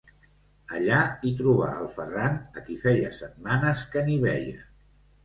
Allà hi trobà el Ferran, a qui feia setmanes que ni veia.